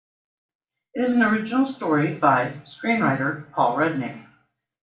It is an original story by screenwriter Paul Rudnick.